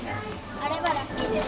あればラッキーです。